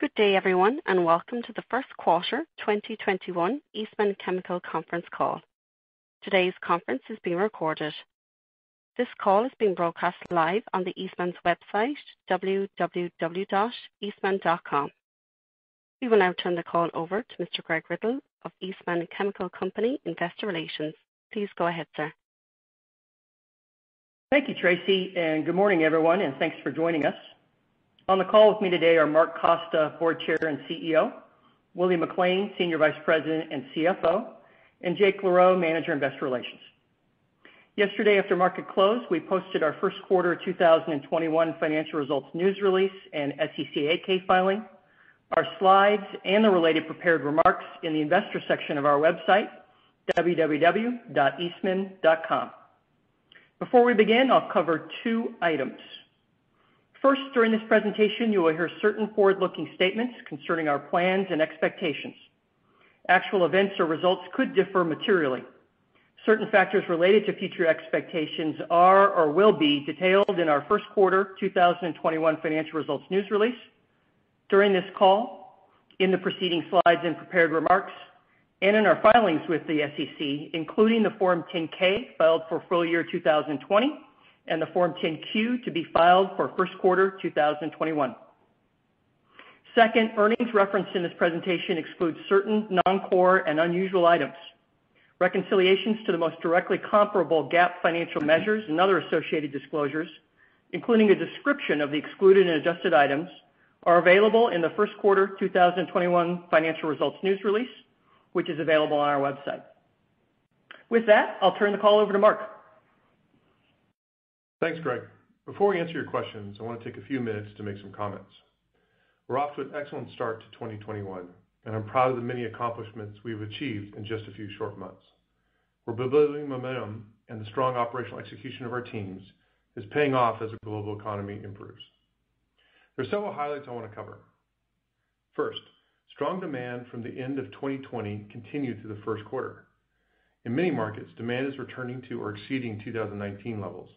Good day, everyone. Welcome to the first quarter 2021 Eastman Chemical conference call. Today's conference is being recorded. This call is being broadcast live on Eastman's website, www.eastman.com. We will now turn the call over to Mr. Gregory Riddle of Eastman Chemical Company Investor Relations. Please go ahead, sir. Thank you, Tracy. Good morning, everyone, and thanks for joining us. On the call with me today are Mark Costa, Board Chair and CEO, William McLain, Senior Vice President and CFO, and Jake LaRoe, Manager Investor Relations. Yesterday after market close, we posted our first quarter 2021 financial results news release and SEC 8-K filing, our slides, and the related prepared remarks in the investor section of our website, www.eastman.com. Before we begin, I'll cover two items. First, during this presentation, you will hear certain forward-looking statements concerning our plans and expectations. Actual events or results could differ materially. Certain factors related to future expectations are or will be detailed in our first quarter 2021 financial results news release, during this call, in the proceeding slides and prepared remarks, and in our filings with the SEC, including the Form 10-K filed for full year 2020 and the Form 10-Q to be filed for first quarter 2021. Second, earnings referenced in this presentation excludes certain non-core and unusual items. Reconciliations to the most directly comparable GAAP financial measures and other associated disclosures, including a description of the excluded and adjusted items, are available in the first quarter 2021 financial results news release, which is available on our website. With that, I'll turn the call over to Mark. Thanks, Greg. Before we answer your questions, I want to take a few minutes to make some comments. We're off to an excellent start to 2021, and I'm proud of the many accomplishments we've achieved in just a few short months. We're building momentum, and the strong operational execution of our teams is paying off as the global economy improves. There's several highlights I want to cover. First, strong demand from the end of 2020 continued through the first quarter. In many markets, demand is returning to or exceeding 2019 levels.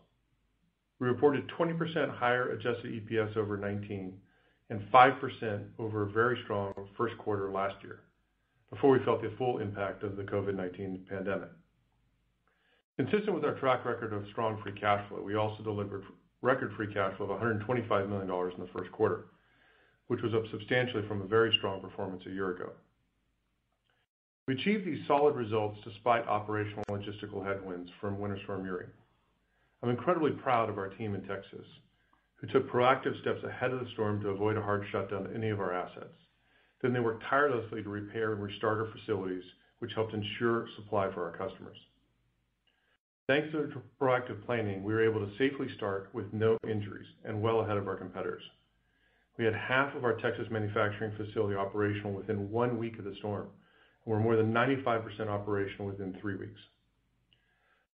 We reported 20% higher adjusted EPS over 2019, and 5% over a very strong first quarter last year, before we felt the full impact of the COVID-19 pandemic. Consistent with our track record of strong free cash flow, we also delivered record free cash flow of $125 million in the first quarter, which was up substantially from a very strong performance a year ago. We achieved these solid results despite operational logistical headwinds from Winter Storm Uri. I'm incredibly proud of our team in Texas, who took proactive steps ahead of the storm to avoid a hard shutdown of any of our assets. They worked tirelessly to repair and restart our facilities, which helped ensure supply for our customers. Thanks to their proactive planning, we were able to safely start with no injuries and well ahead of our competitors. We had half of our Texas manufacturing facility operational within one week of the storm. We were more than 95% operational within three weeks.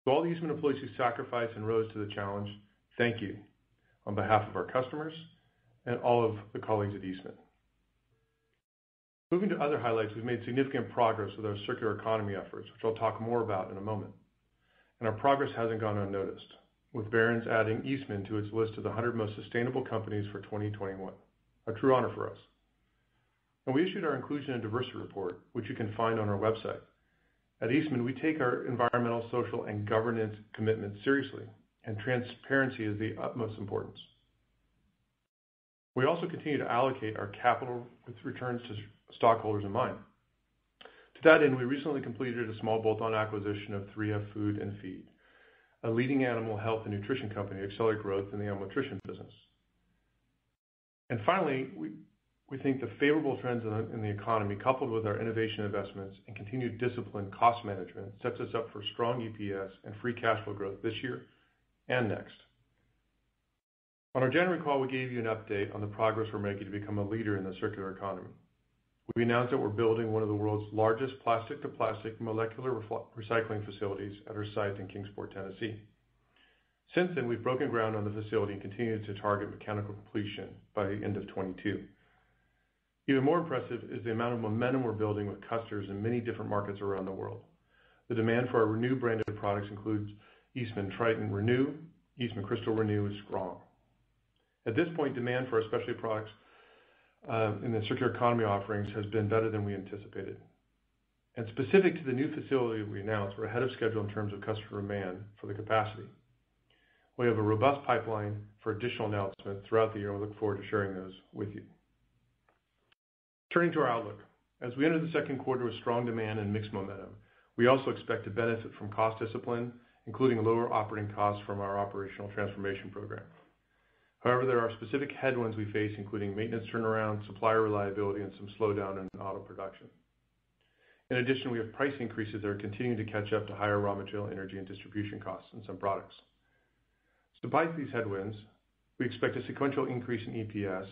To all the Eastman employees who sacrificed and rose to the challenge, thank you on behalf of our customers and all of the colleagues at Eastman. Moving to other highlights, we've made significant progress with our circular economy efforts, which I'll talk more about in a moment. Our progress hasn't gone unnoticed, with Barron's adding Eastman to its list of the 100 most sustainable companies for 2021. A true honor for us. We issued our inclusion and diversity report, which you can find on our website. At Eastman, we take our environmental, social, and governance commitments seriously, and transparency is of the utmost importance. We also continue to allocate our capital with returns to stockholders in mind. To that end, we recently completed a small bolt-on acquisition of 3F Feed & Food, a leading animal health and nutrition company, to accelerate growth in the animal nutrition business. Finally, we think the favorable trends in the economy, coupled with our innovation investments and continued disciplined cost management, sets us up for strong EPS and free cash flow growth this year and next. On our January call, we gave you an update on the progress we're making to become a leader in the circular economy. We announced that we're building one of the world's largest plastic-to-plastic molecular recycling facilities at our site in Kingsport, Tennessee. Since then, we've broken ground on the facility and continued to target mechanical completion by the end of 2022. Even more impressive is the amount of momentum we're building with customers in many different markets around the world. The demand for our Renew brand of products includes Eastman Tritan Renew, Eastman Cristal Renew is strong. At this point, demand for our specialty products, in the circular economy offerings, has been better than we anticipated. Specific to the new facility we announced, we're ahead of schedule in terms of customer demand for the capacity. We have a robust pipeline for additional announcements throughout the year. I look forward to sharing those with you. Turning to our outlook. As we enter the second quarter with strong demand and mixed momentum, we also expect to benefit from cost discipline, including lower operating costs from our operational transformation program. However, there are specific headwinds we face, including maintenance turnaround, supplier reliability, and some slowdown in auto production. In addition, we have price increases that are continuing to catch up to higher raw material energy and distribution costs in some products. Despite these headwinds, we expect a sequential increase in EPS,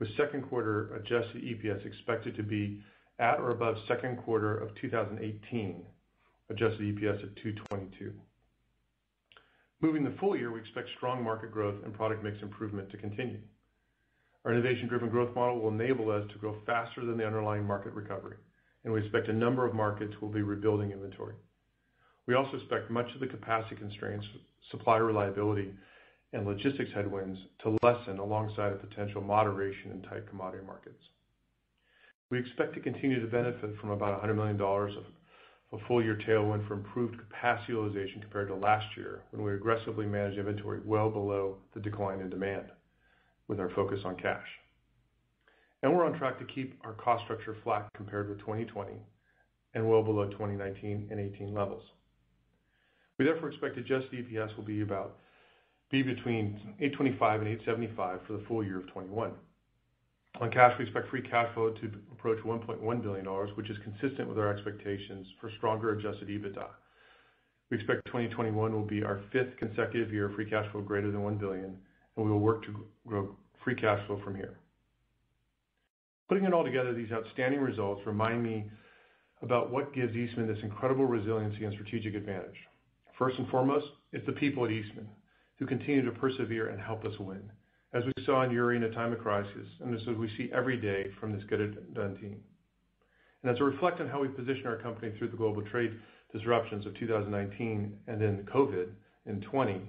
with second quarter Adjusted EPS expected to be at or above second quarter of 2018, Adjusted EPS of $2.22. Moving the full year, we expect strong market growth and product mix improvement to continue. Our innovation-driven growth model will enable us to grow faster than the underlying market recovery. We expect a number of markets will be rebuilding inventory. We also expect much of the capacity constraints, supplier reliability, and logistics headwinds to lessen alongside a potential moderation in tight commodity markets. We expect to continue to benefit from about $100 million of a full-year tailwind from improved capacity utilization compared to last year, when we aggressively managed inventory well below the decline in demand with our focus on cash. We're on track to keep our cost structure flat compared with 2020, and well below 2019 and 2018 levels. We therefore expect adjusted EPS will be between $8.25 and $8.75 for the full year of 2021. On cash, we expect free cash flow to approach $1.1 billion, which is consistent with our expectations for stronger Adjusted EBITDA. We expect 2021 will be our fifth consecutive year of free cash flow greater than $1 billion, and we will work to grow free cash flow from here. Putting it all together, these outstanding results remind me about what gives Eastman this incredible resiliency and strategic advantage. First and foremost, it's the people at Eastman who continue to persevere and help us win, as we saw in Uri in a time of crisis, and this is what we see every day from this get-it-done team. As I reflect on how we position our company through the global trade disruptions of 2019 and then COVID in 2020,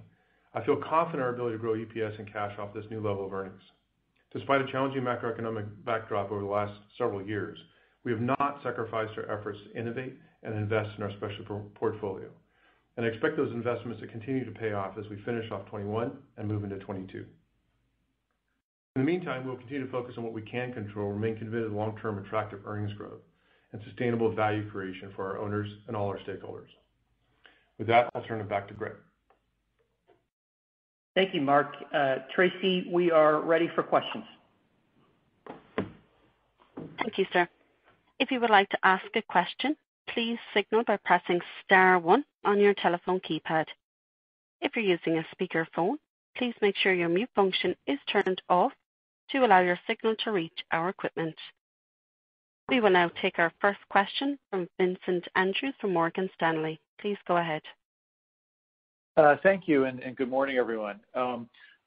I feel confident in our ability to grow EPS and cash off this new level of earnings. Despite a challenging macroeconomic backdrop over the last several years, we have not sacrificed our efforts to innovate and invest in our specialty portfolio. I expect those investments to continue to pay off as we finish off 2021 and move into 2022. In the meantime, we'll continue to focus on what we can control, remain committed to long-term attractive earnings growth, and sustainable value creation for our owners and all our stakeholders. With that, I'll turn it back to Greg. Thank you, Mark. Tracy, we are ready for questions. Thank you, sir. If you would like to ask a question, please signal by pressing star one on your telephone keypad. If you're using a speakerphone, please make sure your mute function is turned off to allow your signal to reach our equipment. We will now take our first question from Vincent Andrews from Morgan Stanley. Please go ahead. Thank you, and good morning, everyone.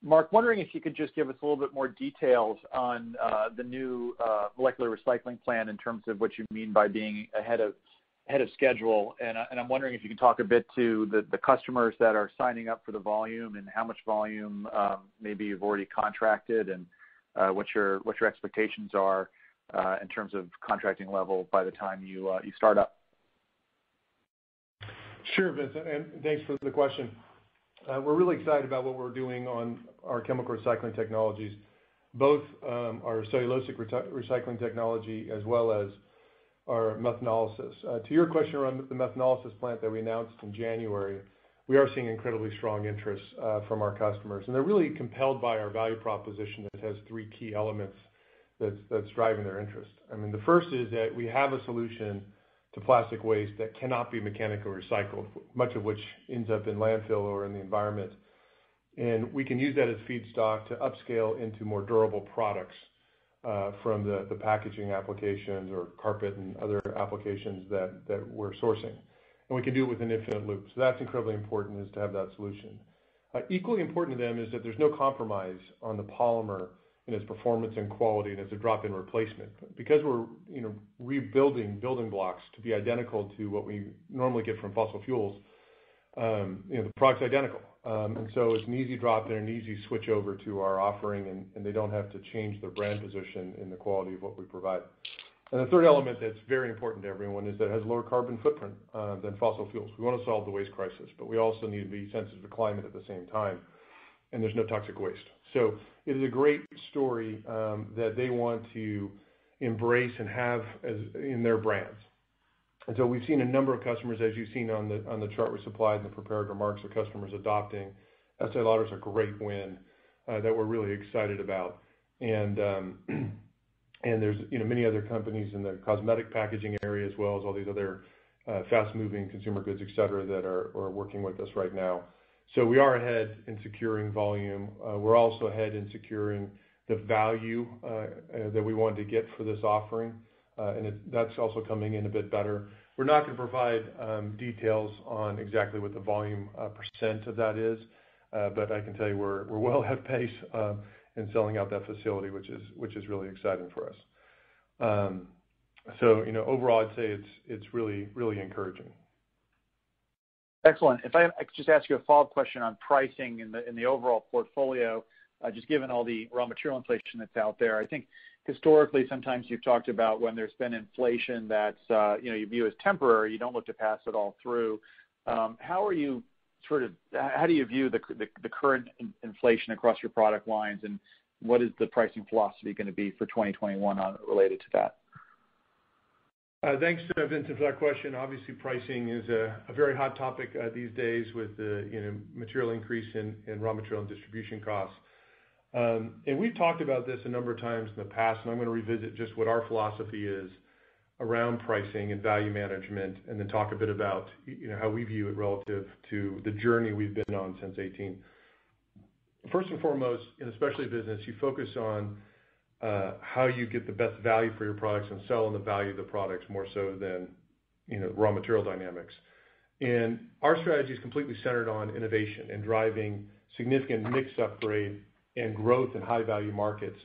Mark, wondering if you could just give us a little bit more details on the new molecular recycling plan in terms of what you mean by being ahead of schedule, and I'm wondering if you can talk a bit to the customers that are signing up for the volume and how much volume maybe you've already contracted and what your expectations are in terms of contracting level by the time you start up. Sure, Vincent, thanks for the question. We're really excited about what we're doing on our chemical recycling technologies, both our cellulosic recycling technology as well as our methanolysis. To your question around the methanolysis plant that we announced in January, we are seeing incredibly strong interest from our customers, they're really compelled by our value proposition that has three key elements that's driving their interest. The first is that we have a solution to plastic waste that cannot be mechanically recycled, much of which ends up in landfill or in the environment. We can use that as feedstock to upscale into more durable products from the packaging applications or carpet and other applications that we're sourcing. We can do it with an infinite loop. That's incredibly important, is to have that solution. Equally important to them is that there's no compromise on the polymer and its performance and quality, and it's a drop-in replacement. Because we're rebuilding building blocks to be identical to what we normally get from fossil fuels, the product's identical. It's an easy drop in, an easy switch over to our offering, and they don't have to change their brand position in the quality of what we provide. The third element that's very important to everyone is that it has a lower carbon footprint than fossil fuels. We want to solve the waste crisis, but we also need to be sensitive to climate at the same time, and there's no toxic waste. It is a great story that they want to embrace and have in their brands. We've seen a number of customers, as you've seen on the chart we supplied in the prepared remarks, of customers adopting. Estée Lauder's a great win that we're really excited about. There's many other companies in the cosmetic packaging area, as well as all these other fast-moving consumer goods, et cetera, that are working with us right now. We are ahead in securing volume. We're also ahead in securing the value that we wanted to get for this offering, and that's also coming in a bit better. We're not going to provide details on exactly what the volume percent of that is, but I can tell you we're well ahead of pace in selling out that facility, which is really exciting for us. Overall, I'd say it's really encouraging. Excellent. If I could just ask you a follow-up question on pricing in the overall portfolio, just given all the raw material inflation that is out there. I think historically, sometimes you have talked about when there has been inflation that you view as temporary, you do not look to pass it all through. How do you view the current inflation across your product lines, and what is the pricing philosophy going to be for 2021 related to that? Thanks, Vincent, for that question. Obviously, pricing is a very hot topic these days with the material increase in raw material and distribution costs. We've talked about this a number of times in the past, and I'm going to revisit just what our philosophy is around pricing and value management, and then talk a bit about how we view it relative to the journey we've been on since 2018. First and foremost, in the specialty business, you focus on how you get the best value for your products and sell on the value of the products more so than raw material dynamics. Our strategy is completely centered on innovation and driving significant mix upgrade and growth in high-value markets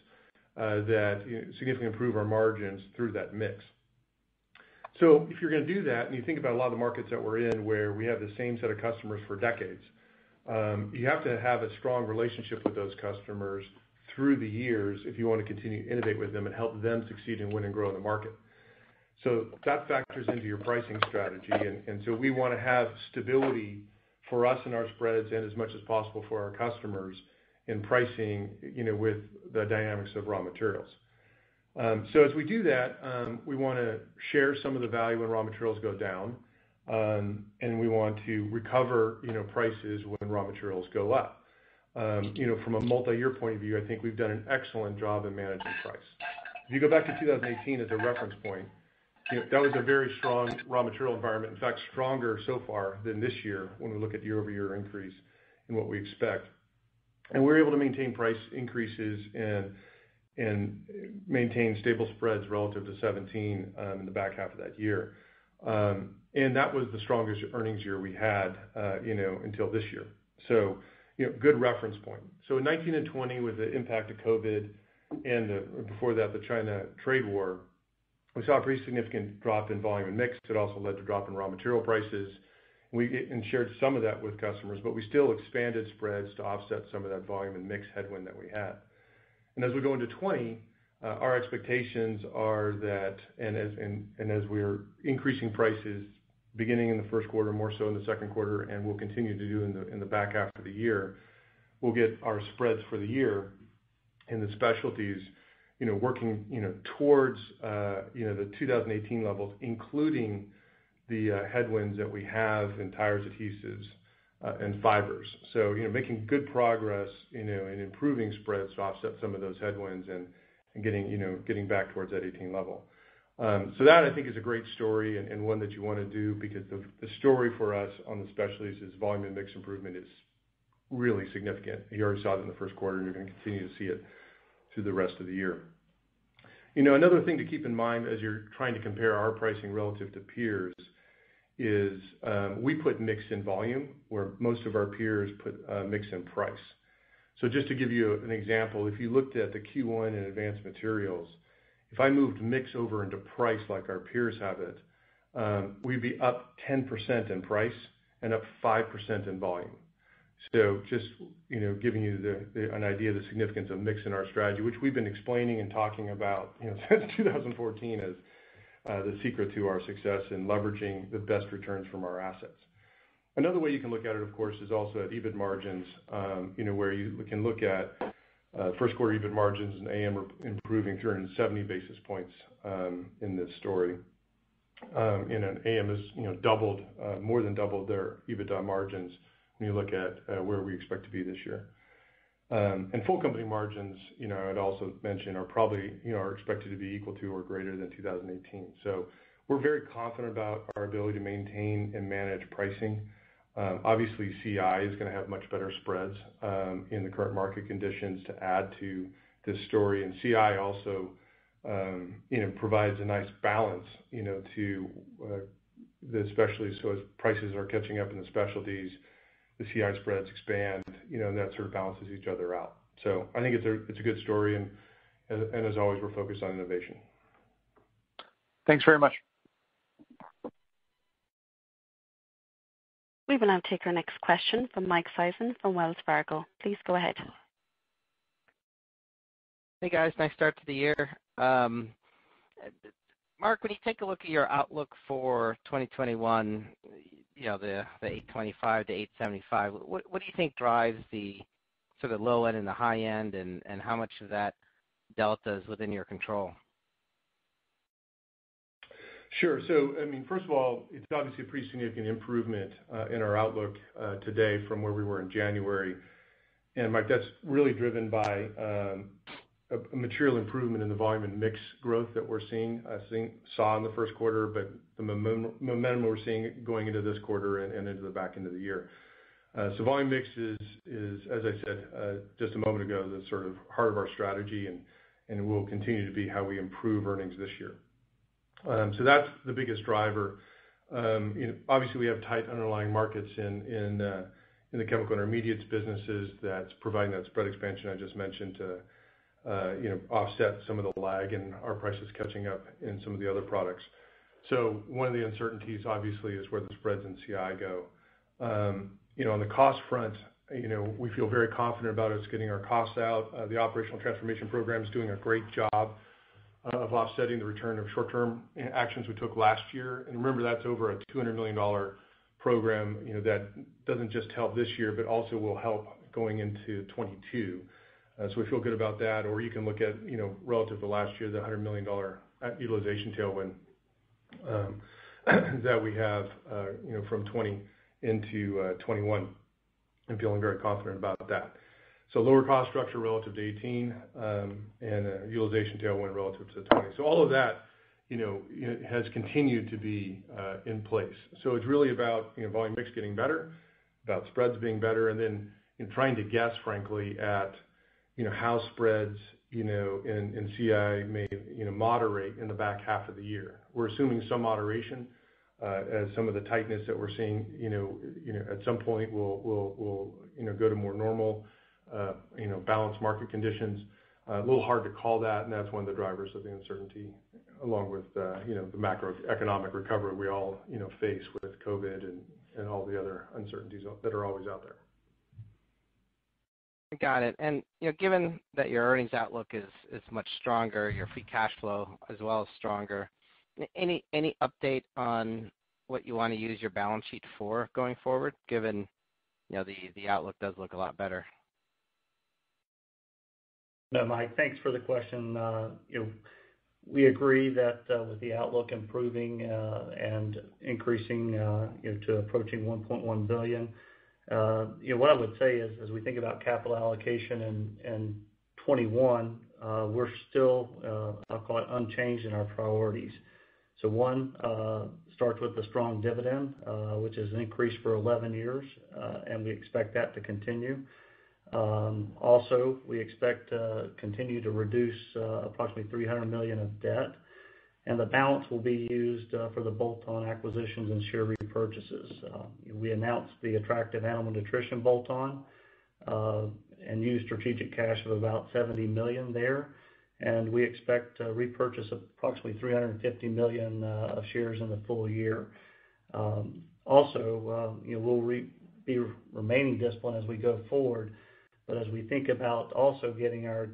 that significantly improve our margins through that mix. If you're going to do that, and you think about a lot of the markets that we're in, where we have the same set of customers for decades, you have to have a strong relationship with those customers through the years if you want to continue to innovate with them and help them succeed and win and grow in the market. That factors into your pricing strategy. We want to have stability for us in our spreads and as much as possible for our customers in pricing, with the dynamics of raw materials. As we do that, we want to share some of the value when raw materials go down, and we want to recover prices when raw materials go up. From a multi-year point of view, I think we've done an excellent job in managing price. If you go back to 2018 as a reference point, that was a very strong raw material environment. In fact, stronger so far than this year when we look at year-over-year increase and what we expect. We were able to maintain price increases and maintain stable spreads relative to 2017 in the back half of that year. That was the strongest earnings year we had until this year. Good reference point. In 2019 and 2020, with the impact of COVID and before that, the China trade war, we saw a pretty significant drop in volume and mix that also led to drop in raw material prices, and shared some of that with customers. We still expanded spreads to offset some of that volume and mix headwind that we had. As we go into 2020, our expectations are that, and as we are increasing prices beginning in the first quarter, more so in the second quarter, and we'll continue to do in the back half of the year, we'll get our spreads for the year in the specialties working towards the 2018 levels, including the headwinds that we have in tires, adhesives, and fibers. Making good progress and improving spreads to offset some of those headwinds and getting back towards that 2018 level. That I think is a great story and one that you want to do because the story for us on the specialties is volume and mix improvement is really significant. You already saw it in the first quarter, and you're going to continue to see it through the rest of the year. Another thing to keep in mind as you're trying to compare our pricing relative to peers is, we put mix in volume where most of our peers put mix in price. Just to give you an example, if you looked at the Q1 in Advanced Materials, if I moved mix over into price like our peers have it, we'd be up 10% in price and up 5% in volume. Just giving you an idea of the significance of mix in our strategy, which we've been explaining and talking about since 2014 as the secret to our success in leveraging the best returns from our assets. Another way you can look at it, of course, is also at EBIT margins, where you can look at first quarter EBIT margins and AM are improving 370 basis points in this story. AM has more than doubled their EBITDA margins when you look at where we expect to be this year. Full company margins, I'd also mention, are expected to be equal to or greater than 2018. We're very confident about our ability to maintain and manage pricing. Obviously, CI is going to have much better spreads in the current market conditions to add to this story, and CI also provides a nice balance to the specialties. As prices are catching up in the specialties, the CI spreads expand, and that sort of balances each other out. I think it's a good story, and as always, we're focused on innovation. Thanks very much. We will now take our next question from Michael Sison from Wells Fargo. Please go ahead. Hey, guys. Nice start to the year. Mark, when you take a look at your outlook for 2021, the $8.25-$8.75, what do you think drives the sort of low end and the high end, and how much of that delta is within your control? Sure. First of all, it's obviously a pretty significant improvement in our outlook today from where we were in January. Mike, that's really driven by a material improvement in the volume and mix growth that we're seeing, saw in the first quarter, but the momentum we're seeing going into this quarter and into the back end of the year. Volume mix is, as I said just a moment ago, the sort of heart of our strategy, and it will continue to be how we improve earnings this year. That's the biggest driver. Obviously, we have tight underlying markets in the chemical intermediates businesses that's providing that spread expansion I just mentioned to offset some of the lag in our prices catching up in some of the other products. One of the uncertainties, obviously, is where the spreads in CI go. On the cost front, we feel very confident about us getting our costs out. The operational transformation program is doing a great job of offsetting the return of short-term actions we took last year. Remember, that's over a $200 million program that doesn't just help this year, but also will help going into 2022. We feel good about that. You can look at, relative to last year, the $100 million utilization tailwind that we have from 2020 into 2021, and feeling very confident about that. Lower cost structure relative to 2018, and a utilization tailwind relative to 2020. All of that has continued to be in place. It's really about volume mix getting better, about spreads being better, and then trying to guess, frankly, at how spreads in CI may moderate in the back half of the year. We're assuming some moderation as some of the tightness that we're seeing, at some point will go to more normal, balanced market conditions. A little hard to call that, and that's one of the drivers of the uncertainty along with the macroeconomic recovery we all face with COVID and all the other uncertainties that are always out there. Got it. Given that your earnings outlook is much stronger, your free cash flow as well is stronger, any update on what you want to use your balance sheet for going forward, given the outlook does look a lot better? No, Mike. Thanks for the question. We agree that with the outlook improving and increasing to approaching $1.1 billion. What I would say is, as we think about capital allocation in 2021, we're still, I'll call it, unchanged in our priorities. One, starts with a strong dividend, which has increased for 11 years, and we expect that to continue. Also, we expect to continue to reduce approximately $300 million of debt, and the balance will be used for the bolt-on acquisitions and share repurchases. We announced the attractive animal nutrition bolt-on, and used strategic cash of about $70 million there, and we expect to repurchase approximately $350 million of shares in the full year. Also, we'll be remaining disciplined as we go forward, but as we think about also getting our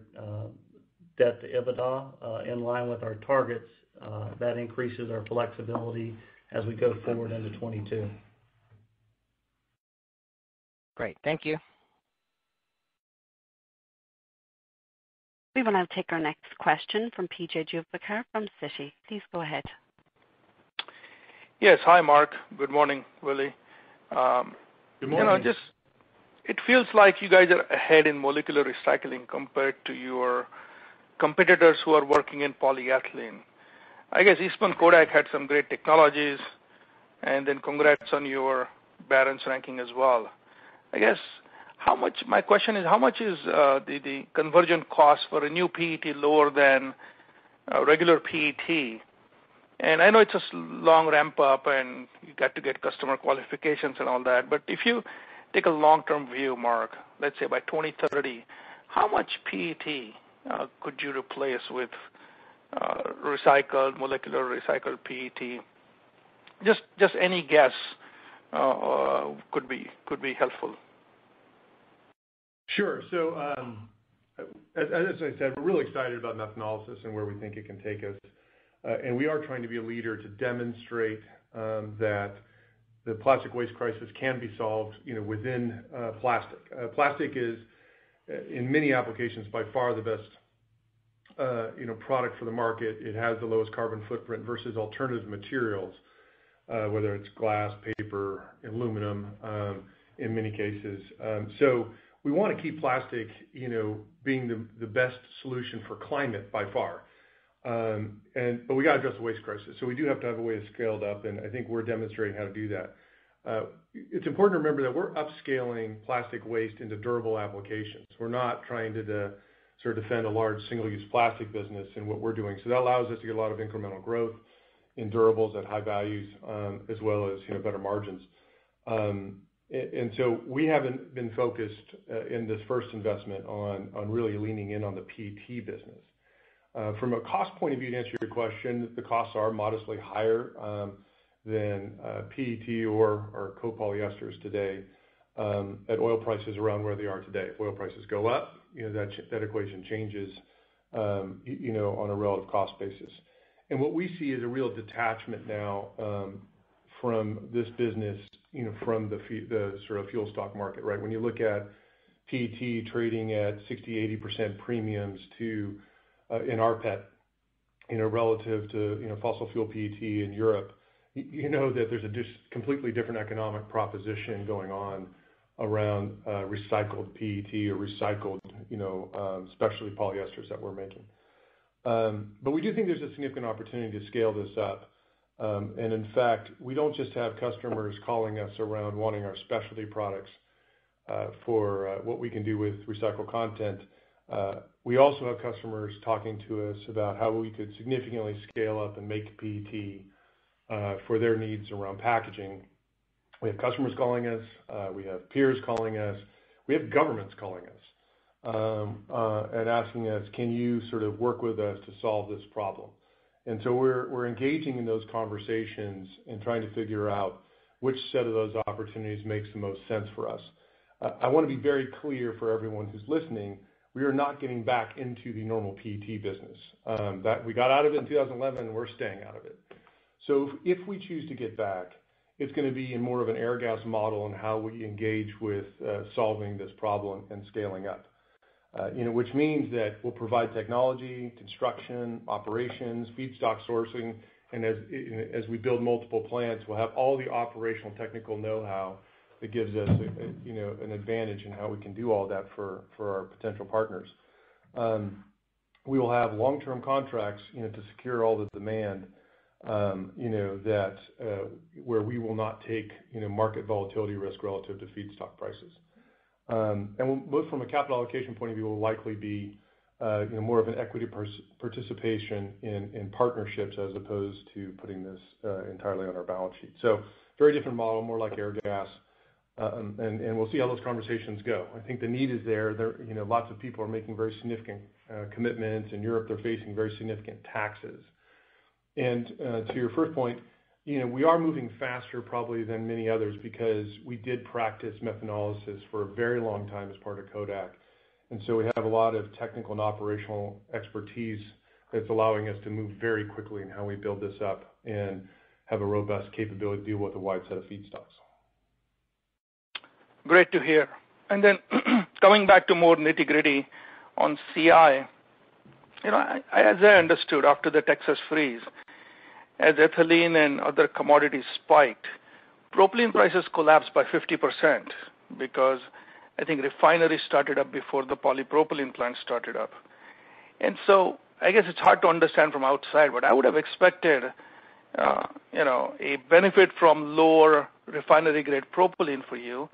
debt to EBITDA in line with our targets, that increases our flexibility as we go forward into 2022. Great. Thank you. We will now take our next question from P.J. Juvekar from Citi. Please go ahead. Yes. Hi, Mark. Good morning, Willie. Good morning. It feels like you guys are ahead in molecular recycling compared to your competitors who are working in polyethylene. I guess Eastman Kodak had some great technologies. Congrats on your Barron's ranking as well. My question is, how much is the conversion cost for a new PET lower than a regular PET? I know it's a long ramp up and you got to get customer qualifications and all that, but if you take a long-term view, Mark, let's say by 2030, how much PET could you replace with molecular recycled PET? Just any guess could be helpful. Sure. As I said, we're really excited about methanolysis and where we think it can take us. We are trying to be a leader to demonstrate that the plastic waste crisis can be solved within plastic. Plastic is, in many applications, by far the best product for the market. It has the lowest carbon footprint versus alternative materials, whether it's glass, paper, aluminum, in many cases. We want to keep plastic being the best solution for climate by far. We got to address the waste crisis. We do have to have a way to scale it up, and I think we're demonstrating how to do that. It's important to remember that we're upscaling plastic waste into durable applications. We're not trying to sort of defend a large single-use plastic business in what we're doing. That allows us to get a lot of incremental growth in durables at high values, as well as better margins. We haven't been focused in this first investment on really leaning in on the PET business. From a cost point of view, to answer your question, the costs are modestly higher than PET or copolyesters today at oil prices around where they are today. If oil prices go up, that equation changes on a relative cost basis. What we see is a real detachment now from this business from the sort of fuel stock market, right? When you look at PET trading at 60%-80% premiums in rPET, relative to fossil fuel PET in Europe, you know that there's a completely different economic proposition going on around recycled PET or recycled specialty polyesters that we're making. We do think there's a significant opportunity to scale this up. In fact, we don't just have customers calling us around wanting our specialty products for what we can do with recycled content. We also have customers talking to us about how we could significantly scale up and make PET for their needs around packaging. We have customers calling us, we have peers calling us, we have governments calling us, and asking us, "Can you sort of work with us to solve this problem?" We're engaging in those conversations and trying to figure out which set of those opportunities makes the most sense for us. I want to be very clear for everyone who's listening, we are not getting back into the normal PET business. We got out of it in 2011, and we're staying out of it. If we choose to get back, it's going to be in more of an Airgas model on how we engage with solving this problem and scaling up, which means that we'll provide technology, construction, operations, feedstock sourcing, and as we build multiple plants, we'll have all the operational technical know-how that gives us an advantage in how we can do all that for our potential partners. We will have long-term contracts to secure all the demand where we will not take market volatility risk relative to feedstock prices. Both from a capital allocation point of view will likely be more of an equity participation in partnerships as opposed to putting this entirely on our balance sheet. Very different model, more like Airgas, and we'll see how those conversations go. I think the need is there. Lots of people are making very significant commitments. In Europe, they're facing very significant taxes. To your first point, we are moving faster probably than many others because we did practice methanolysis for a very long time as part of Kodak. So we have a lot of technical and operational expertise that's allowing us to move very quickly in how we build this up and have a robust capability to deal with a wide set of feedstocks. Great to hear. Coming back to more nitty-gritty on CI. As I understood, after the Texas freeze, as ethylene and other commodities spiked, propylene prices collapsed by 50%, because I think refineries started up before the polypropylene plant started up. I guess it's hard to understand from outside, but I would have expected a benefit from lower refinery grade propylene for you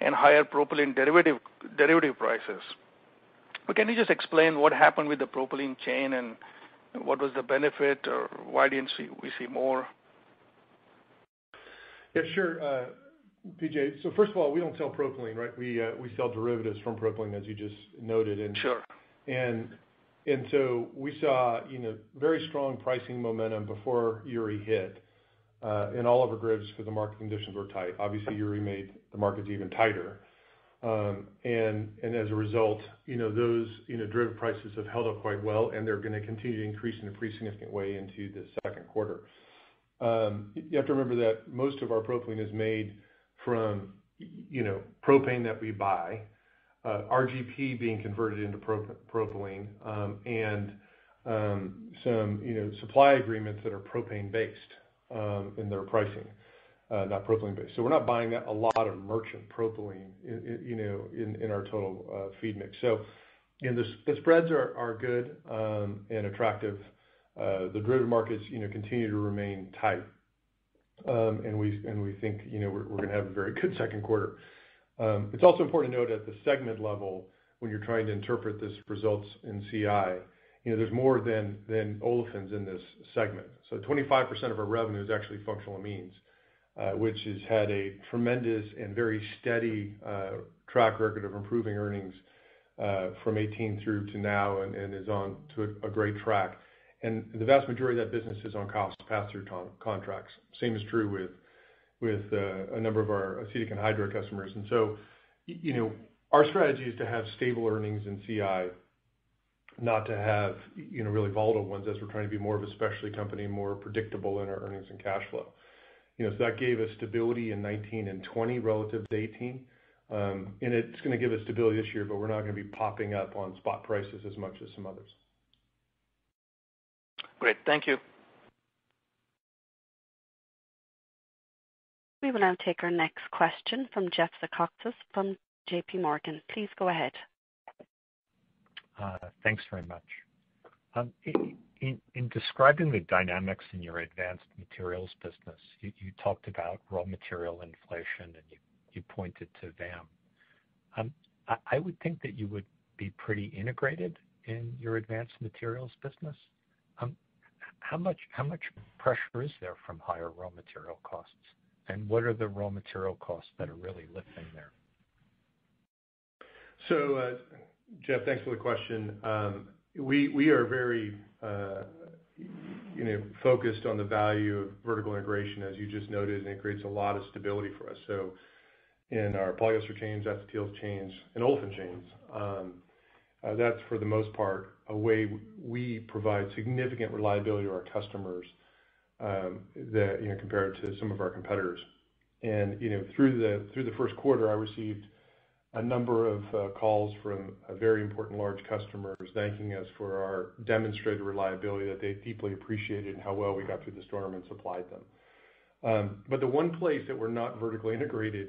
and higher propylene derivative prices. Can you just explain what happened with the propylene chain, and what was the benefit, or why didn't we see more? Yeah, sure, P.J. First of all, we don't sell propylene, right? We sell derivatives from propylene, as you just noted. Sure. We saw very strong pricing momentum before Uri hit. In olefin derivatives because the market conditions were tight. Obviously, Uri made the markets even tighter. As a result, those derivative prices have held up quite well, and they're going to continue to increase in a pretty significant way into the second quarter. You have to remember that most of our propylene is made from propane that we buy, RGP being converted into propylene, and some supply agreements that are propane-based in their pricing, not propylene-based. We're not buying a lot of merchant propylene in our total feed mix. The spreads are good and attractive. We think we're going to have a very good second quarter. It's also important to note at the segment level when you're trying to interpret these results in CI, there's more than olefins in this segment. 25% of our revenue is actually functional amines, which has had a tremendous and very steady track record of improving earnings from 2018 through to now and is on to a great track. The vast majority of that business is on cost pass-through contracts. Same is true with a number of our acetic anhydride customers. Our strategy is to have stable earnings in CI, not to have really volatile ones as we're trying to be more of a specialty company, more predictable in our earnings and cash flow. That gave us stability in 2019 and 2020 relative to 2018. It's going to give us stability this year, but we're not going to be popping up on spot prices as much as some others. Great. Thank you. We will now take our next question from Jeffrey Zekauskas from JPMorgan. Please go ahead. Thanks very much. In describing the dynamics in your Advanced Materials business, you talked about raw material inflation, you pointed to VAM. I would think that you would be pretty integrated in your Advanced Materials business. How much pressure is there from higher raw material costs? What are the raw material costs that are really lifting there? Jeff, thanks for the question. We are very focused on the value of vertical integration, as you just noted, and it creates a lot of stability for us. In our polyester chains, acetyl chains, and olefin chains, that's for the most part, a way we provide significant reliability to our customers compared to some of our competitors. Through the first quarter, I received a number of calls from a very important large customer who's thanking us for our demonstrated reliability that they deeply appreciated and how well we got through the storm and supplied them. The one place that we're not vertically integrated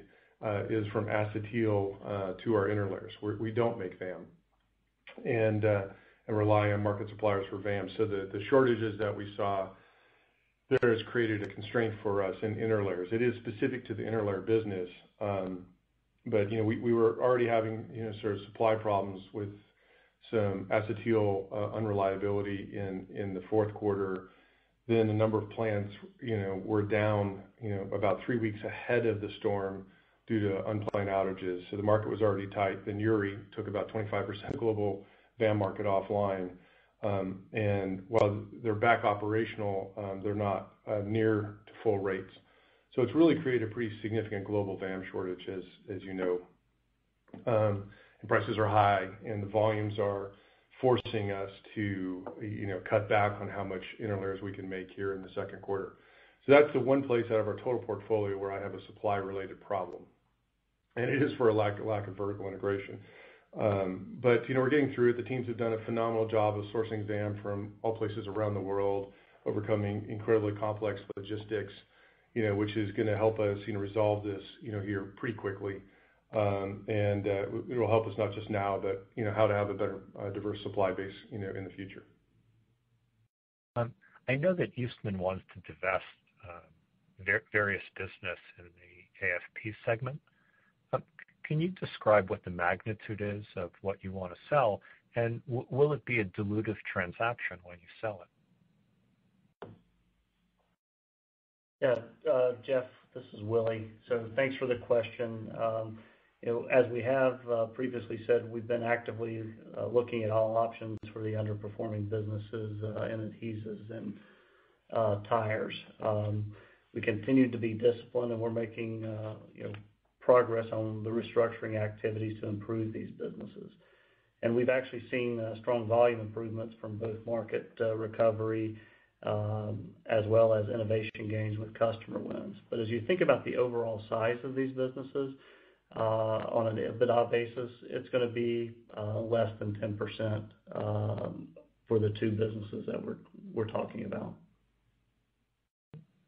is from acetyl to our interlayers. We don't make VAM and rely on market suppliers for VAM. The shortages that we saw there has created a constraint for us in interlayers. It is specific to the interlayer business. We were already having sort of supply problems with some acetyl unreliability in the fourth quarter. A number of plants were down about three weeks ahead of the storm due to unplanned outages. The market was already tight. Uri took about 25% of global VAM market offline. While they're back operational, they're not near to full rates. It's really created a pretty significant global VAM shortage, as you know. Prices are high, and the volumes are forcing us to cut back on how much interlayers we can make here in the second quarter. That's the one place out of our total portfolio where I have a supply-related problem. It is for a lack of vertical integration. We're getting through it. The teams have done a phenomenal job of sourcing VAM from all places around the world, overcoming incredibly complex logistics which is going to help us resolve this here pretty quickly. It'll help us not just now, but how to have a better diverse supply base in the future. I know that Eastman wants to divest various business in the AFP segment. Can you describe what the magnitude is of what you want to sell, and will it be a dilutive transaction when you sell it? Yeah. Jeff, this is Willie. Thanks for the question. As we have previously said, we've been actively looking at all options for the underperforming businesses in adhesives and tires. We continue to be disciplined, and we're making progress on the restructuring activities to improve these businesses. We've actually seen strong volume improvements from both market recovery, as well as innovation gains with customer wins. As you think about the overall size of these businesses, on an EBITDA basis, it's going to be less than 10% for the two businesses that we're talking about.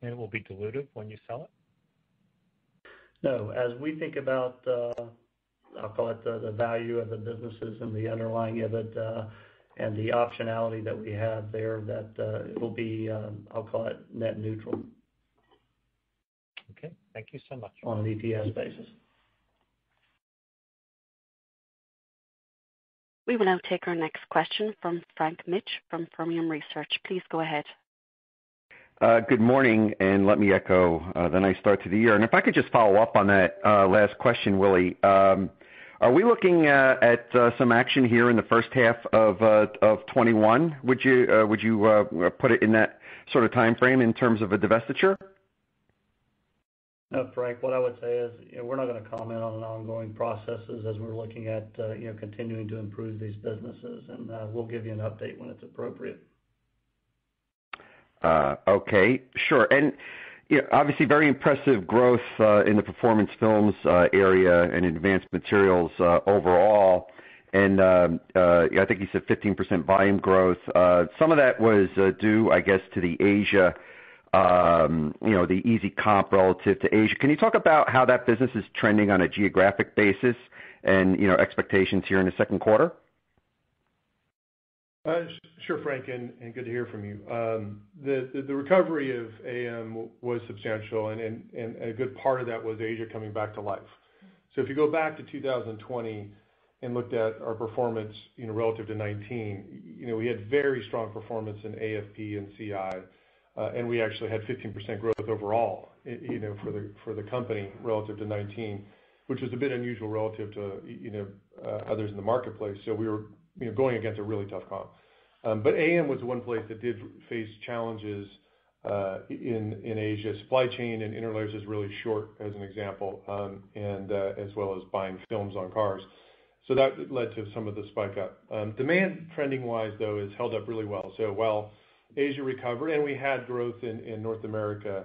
It will be dilutive when you sell it? No. As we think about I'll call it the value of the businesses and the underlying EBITDA and the optionality that we have there, that it will be, I'll call it net neutral. Okay. Thank you so much. On an EPS basis. We will now take our next question from Frank Mitsch from Fermium Research. Please go ahead. Good morning, and let me echo the nice start to the year. If I could just follow up on that last question, Willie. Are we looking at some action here in the first half of 2021? Would you put it in that sort of timeframe in terms of a divestiture? No, Frank, what I would say is, we're not going to comment on ongoing processes as we're looking at continuing to improve these businesses, and we'll give you an update when it's appropriate. Okay. Sure. Obviously very impressive growth in the Performance Films area and Advanced Materials overall, I think you said 15% volume growth. Some of that was due, I guess, to the easy comp relative to Asia. Can you talk about how that business is trending on a geographic basis and expectations here in the second quarter? Sure, Frank. Good to hear from you. The recovery of AM was substantial, and a good part of that was Asia coming back to life. If you go back to 2020 and looked at our performance relative to 2019, we had very strong performance in AFP and CI, and we actually had 15% growth overall for the company relative to 2019, which was a bit unusual relative to others in the marketplace. We were going against a really tough comp. AM was the one place that did face challenges in Asia. Supply chain and interlayers is really short, as an example, and as well as buying films on cars. That led to some of the spike up. Demand trending wise, though, has held up really well, while Asia recovered, and we had growth in North America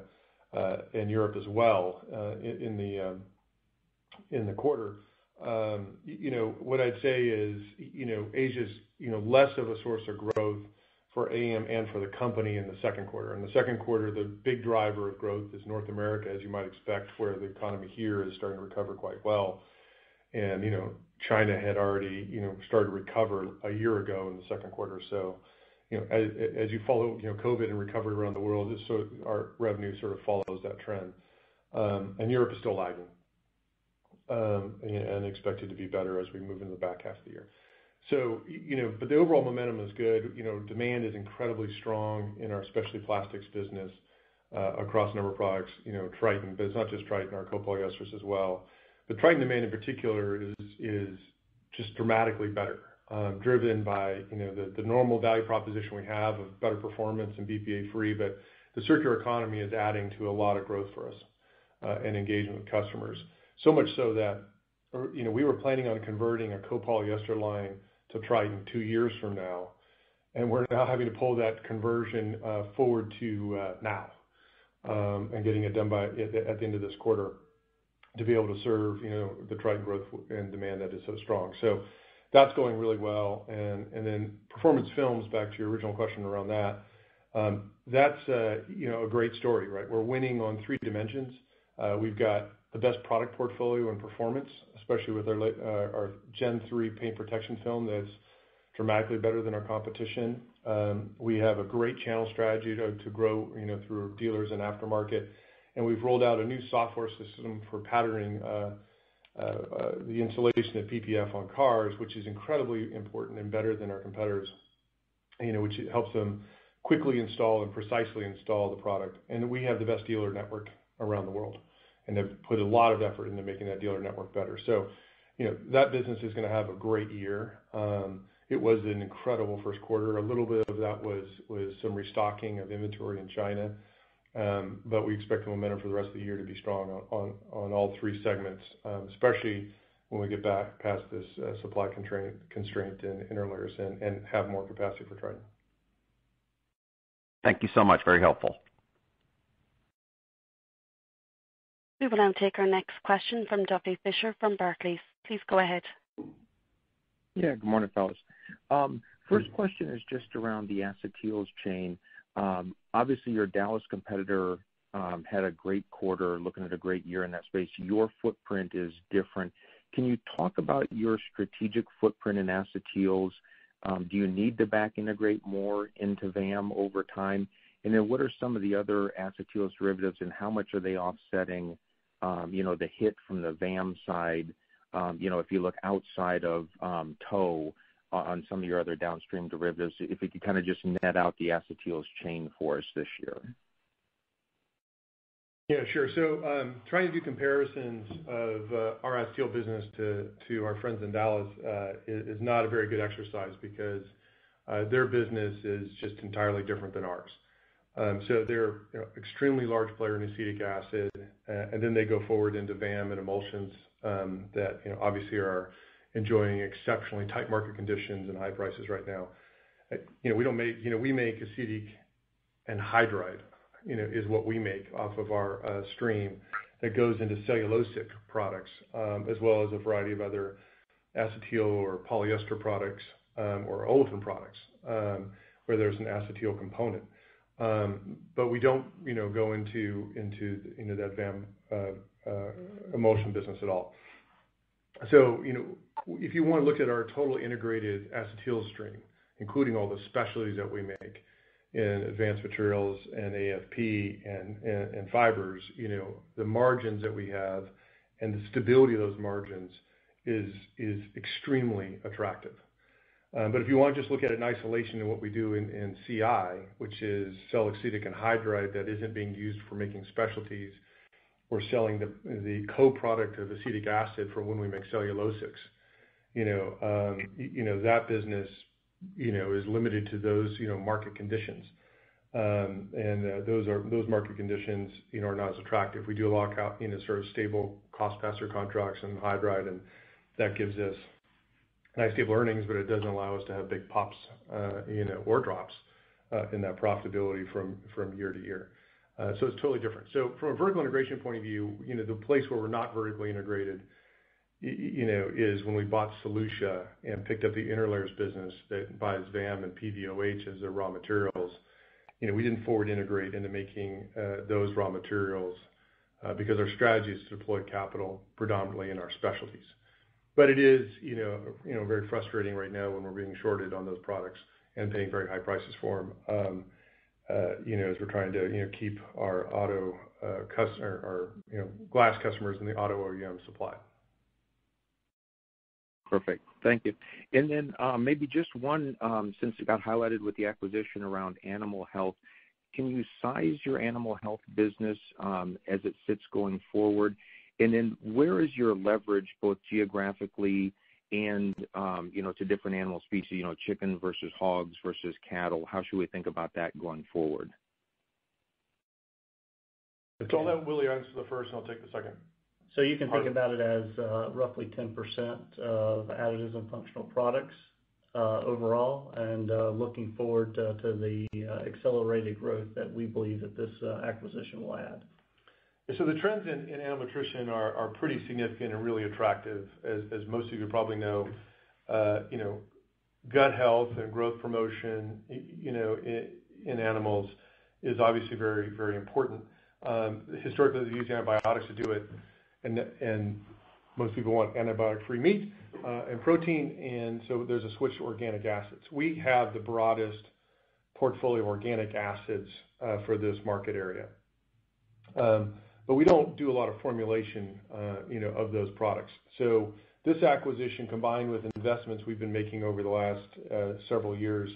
and Europe as well in the quarter. What I'd say is, Asia's less of a source of growth for AM and for the company in the second quarter. In the second quarter, the big driver of growth is North America, as you might expect, where the economy here is starting to recover quite well. China had already started to recover a year ago in the second quarter or so. As you follow COVID and recovery around the world, so our revenue sort of follows that trend. Europe is still lagging, and expected to be better as we move into the back half of the year. The overall momentum is good. Demand is incredibly strong in our Specialty Plastics business, across a number of products, Tritan, but it's not just Tritan, our copolyesters as well. The Tritan demand in particular is just dramatically better, driven by the normal value proposition we have of better performance and BPA free. The circular economy is adding to a lot of growth for us, and engagement with customers. Much so that we were planning on converting a copolyester line to Tritan two years from now, and we're now having to pull that conversion forward to now, and getting it done at the end of this quarter to be able to serve the Tritan growth and demand that is so strong. That's going really well. Performance Films, back to your original question around that. That's a great story, right? We've got the best product portfolio and performance, especially with our gen 3 paint protection film that is dramatically better than our competition. We have a great channel strategy to grow through dealers and aftermarket. We've rolled out a new software system for patterning the installation of PPF on cars, which is incredibly important and better than our competitors, which helps them quickly install and precisely install the product. We have the best dealer network around the world, and have put a lot of effort into making that dealer network better. That business is going to have a great year. It was an incredible first quarter. A little bit of that was some restocking of inventory in China. We expect the momentum for the rest of the year to be strong on all three segments, especially when we get back past this supply constraint in interlayers and have more capacity for Tritan. Thank you so much. Very helpful. We will now take our next question from Duffy Fischer from Barclays. Please go ahead. Yeah, good morning, fellas. First question is just around the acetyls chain. Obviously, your Dallas competitor had a great quarter, looking at a great year in that space. Your footprint is different. Can you talk about your strategic footprint in acetyls? Do you need to back integrate more into VAM over time? What are some of the other acetyls derivatives, and how much are they offsetting the hit from the VAM side. If you look outside of tow on some of your other downstream derivatives, if we could just net out the acetyls chain for us this year. Yeah, sure. Trying to do comparisons of our acetyl business to our friends in Dallas is not a very good exercise because their business is just entirely different than ours. They're extremely large player in acetic acid, and then they go forward into VAM and emulsions that obviously are enjoying exceptionally tight market conditions and high prices right now. We make acetic anhydride is what we make off of our stream that goes into cellulosic products, as well as a variety of other acetyl or polyester products, or olefin products, where there's an acetyl component. We don't go into that VAM emulsion business at all. If you want to look at our total integrated acetyl stream, including all the specialties that we make in Advanced Materials and AFP and fibers, the margins that we have and the stability of those margins is extremely attractive. If you want to just look at it in isolation than what we do in CI, which is cell acetic anhydride that isn't being used for making specialties or selling the co-product of acetic acid for when we make cellulosics, that business is limited to those market conditions. Those market conditions are not as attractive. We do a lock out in a sort of stable cost passer contracts and anhydride, and that gives us nice stable earnings, but it doesn't allow us to have big pops or drops in that profitability from year to year. It's totally different. From a vertical integration point of view, the place where we're not vertically integrated is when we bought Solutia and picked up the interlayers business that buys VAM and PVOH as their raw materials. We didn't forward integrate into making those raw materials because our strategy is to deploy capital predominantly in our specialties. It is very frustrating right now when we're being shorted on those products and paying very high prices for them as we're trying to keep our glass customers in the auto OEM supply. Perfect. Thank you. Maybe just one, since it got highlighted with the acquisition around animal health, can you size your animal health business as it sits going forward? Where is your leverage both geographically and to different animal species, chicken versus hogs versus cattle? How should we think about that going forward? I'll let Willie answer the first, and I'll take the second. You can think about it as roughly 10% of Additives and Functional Products overall, and looking forward to the accelerated growth that we believe that this acquisition will add. The trends in animal nutrition are pretty significant and really attractive, as most of you probably know. Gut health and growth promotion in animals is obviously very important. Historically, they've used antibiotics to do it, and most people want antibiotic-free meat and protein, and so there's a switch to organic acids. We have the broadest portfolio of organic acids for this market area. We don't do a lot of formulation of those products. This acquisition, combined with investments we've been making over the last several years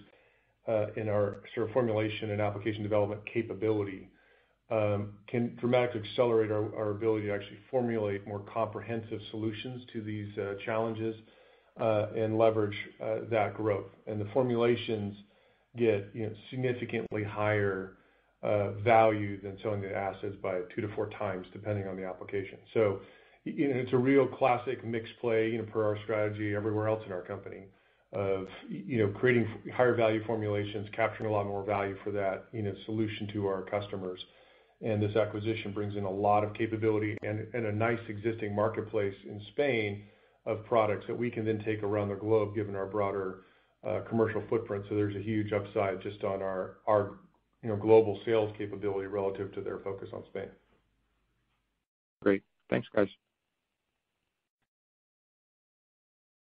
in our formulation and application development capability, can dramatically accelerate our ability to actually formulate more comprehensive solutions to these challenges, and leverage that growth. The formulations get significantly higher value than selling the acids by two to four times, depending on the application. It's a real classic mix play per our strategy everywhere else in our company of creating higher value formulations, capturing a lot more value for that solution to our customers. This acquisition brings in a lot of capability and a nice existing marketplace in Spain of products that we can then take around the globe, given our broader commercial footprint. There's a huge upside just on our global sales capability relative to their focus on Spain. Great. Thanks, guys.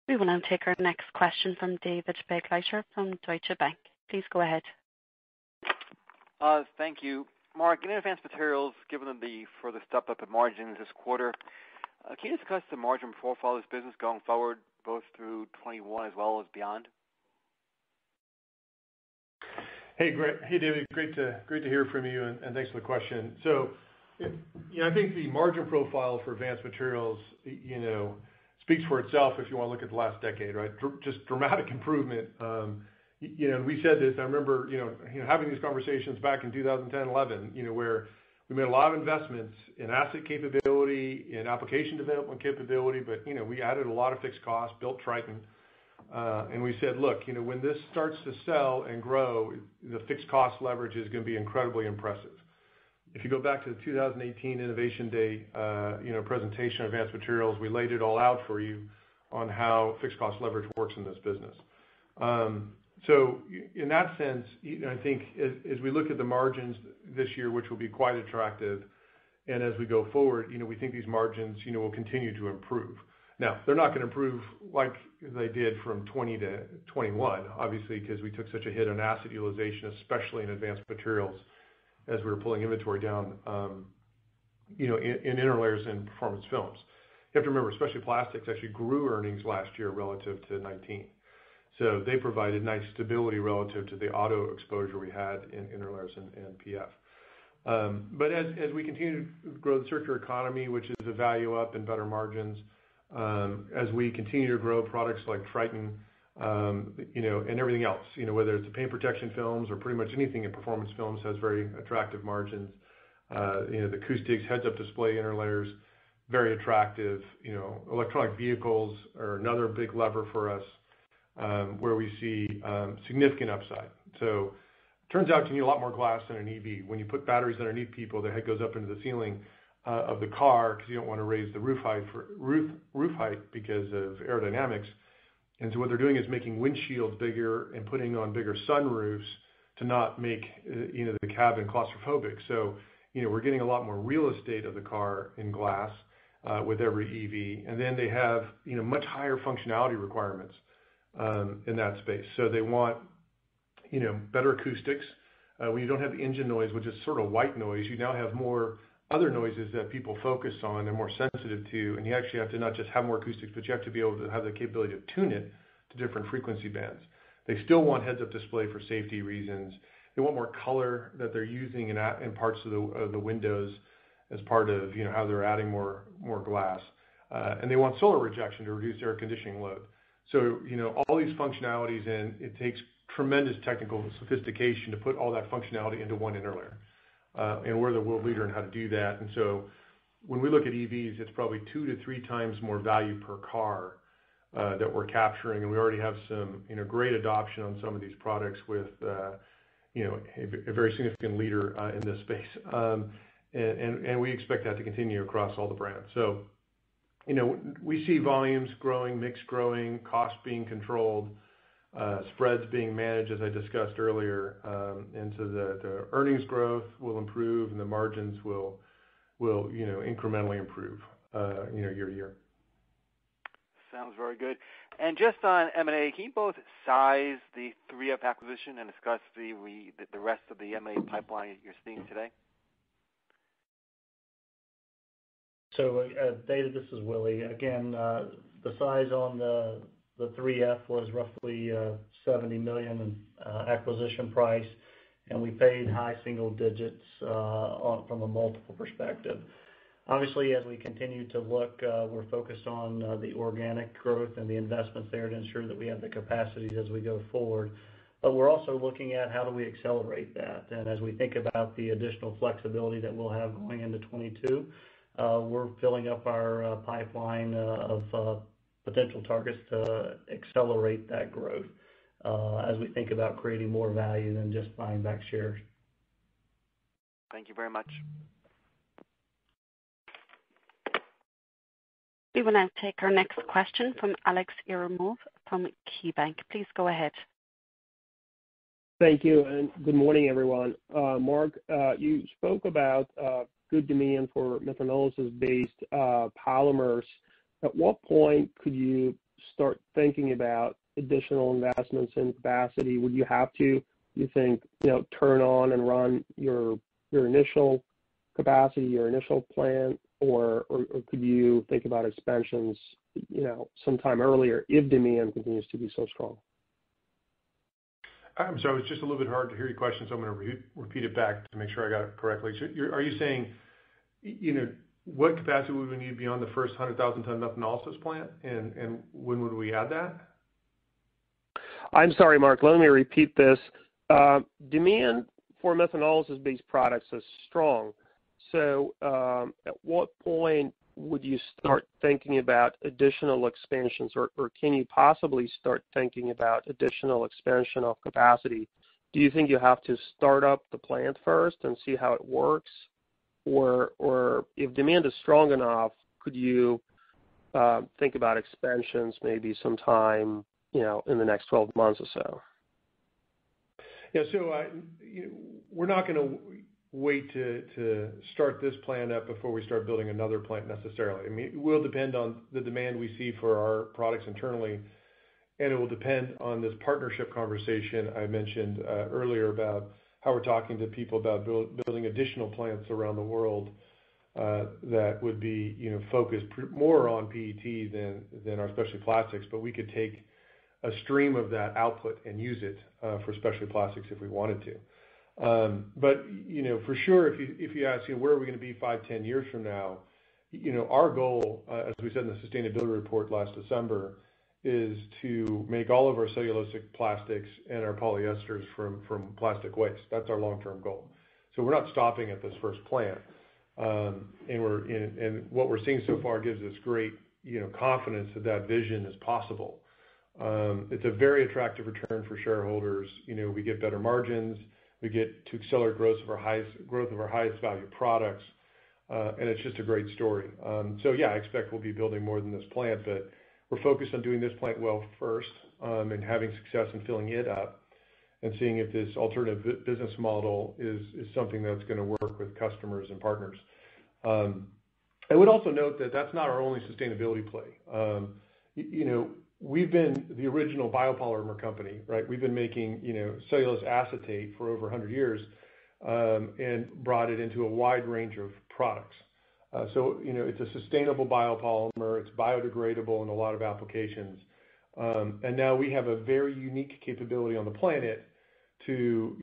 We will now take our next question from David Begleiter from Deutsche Bank. Please go ahead. Thank you. Mark, in Advanced Materials, given the further step-up in margins this quarter, can you discuss the margin profile of this business going forward, both through 2021 as well as beyond? David. Great to hear from you, and thanks for the question. I think the margin profile for Advanced Materials speaks for itself if you want to look at the last decade, right? Just dramatic improvement. We said this, I remember having these conversations back in 2010, 2011. Where we made a lot of investments in asset capability, in application development capability, but we added a lot of fixed costs, built Tritan. We said, "Look, when this starts to sell and grow, the fixed cost leverage is going to be incredibly impressive." If you go back to the 2018 Innovation Day presentation of Advanced Materials, we laid it all out for you on how fixed cost leverage works in this business. In that sense, I think as we look at the margins this year, which will be quite attractive, and as we go forward, we think these margins will continue to improve. They're not going to improve like they did from 2020-2021, obviously, because we took such a hit on asset utilization, especially in Advanced Materials, as we were pulling inventory down in interlayers and Performance Films. You have to remember, Specialty Plastics actually grew earnings last year relative to 2019. They provided nice stability relative to the auto exposure we had in interlayers and PF. As we continue to grow the circular economy, which is a value up and better margins, as we continue to grow products like Tritan, and everything else. Whether it's the paint protection films or pretty much anything in Performance Films has very attractive margins. The acoustics, heads-up display interlayers, very attractive. Electric vehicles are another big lever for us, where we see significant upside. Turns out can get a lot more glass in an EV. When you put batteries underneath people, their head goes up into the ceiling of the car because you don't want to raise the roof height because of aerodynamics. What they're doing is making windshields bigger and putting on bigger sunroofs to not make the cabin claustrophobic. We're getting a lot more real estate of the car in glass with every EV. Then they have much higher functionality requirements in that space. They want better acoustics. When you don't have engine noise, which is sort of white noise, you now have more other noises that people focus on and are more sensitive to. You actually have to not just have more acoustics, but you have to be able to have the capability to tune it to different frequency bands. They still want heads-up display for safety reasons. They want more color that they're using in parts of the windows as part of how they're adding more glass. They want solar rejection to reduce air conditioning load. All these functionalities in, it takes tremendous technical sophistication to put all that functionality into one interlayer. We're the world leader in how to do that. When we look at EVs, it's probably two to three times more value per car that we're capturing. We already have some great adoption on some of these products with a very significant leader in this space. We expect that to continue across all the brands. We see volumes growing, mix growing, cost being controlled, spreads being managed as I discussed earlier. The earnings growth will improve and the margins will incrementally improve year to year. Sounds very good. Just on M&A, can you both size the 3F acquisition and discuss the rest of the M&A pipeline you're seeing today? David, this is Willie. Again, the size on the 3F was roughly $70 million in acquisition price. We paid high single digits from a multiple perspective. Obviously, as we continue to look, we're focused on the organic growth and the investments there to ensure that we have the capacities as we go forward. We're also looking at how do we accelerate that. As we think about the additional flexibility that we'll have going into 2022, we're filling up our pipeline of potential targets to accelerate that growth as we think about creating more value than just buying back shares. Thank you very much. We will now take our next question from Aleksey Yefremov from KeyBanc Capital Markets. Please go ahead. Thank you, and good morning, everyone. Mark, you spoke about good demand for methanolysis-based polymers. At what point could you start thinking about additional investments in capacity? Would you have to, you think, turn on and run your initial capacity, your initial plant, or could you think about expansions sometime earlier if demand continues to be so strong? I'm sorry. It's just a little bit hard to hear your question, so I'm going to repeat it back to make sure I got it correctly. Are you saying, what capacity would we need beyond the first 100,000 ton methanolysis plant, and when would we add that? I'm sorry, Mark. Let me repeat this. Demand for methanolysis-based products is strong. At what point would you start thinking about additional expansions, or can you possibly start thinking about additional expansion of capacity? Do you think you have to start up the plant first and see how it works? If demand is strong enough, could you think about expansions maybe sometime in the next 12 months or so? Yeah. We're not going to wait to start this plant up before we start building another plant necessarily. It will depend on the demand we see for our products internally, and it will depend on this partnership conversation I mentioned earlier about how we're talking to people about building additional plants around the world that would be focused more on PET than our specialty plastics. We could take a stream of that output and use it for specialty plastics if we wanted to. For sure, if you ask where are we going to be five, 10 years from now, our goal, as we said in the sustainability report last December, is to make all of our cellulosic plastics and our polyesters from plastic waste. That's our long-term goal. We're not stopping at this first plant. What we're seeing so far gives us great confidence that that vision is possible. It's a very attractive return for shareholders. We get better margins. We get to accelerate growth of our highest value products. It's just a great story. Yeah, I expect we'll be building more than this plant, but we're focused on doing this plant well first, and having success and filling it up, and seeing if this alternative business model is something that's going to work with customers and partners.I would also note that that's not our only sustainability play. We've been the original biopolymer company, right? We've been making cellulose acetate for over 100 years, and brought it into a wide range of products. It's a sustainable biopolymer, it's biodegradable in a lot of applications. Now we have a very unique capability on the planet to